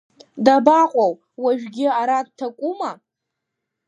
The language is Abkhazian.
Дабаҟоу, уажәгьы ара дҭакума?